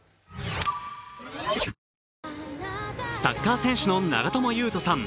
サッカー選手の長友佑都さん